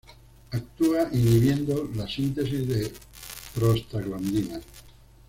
Actúa inhibiendo la síntesis de prostaglandinas.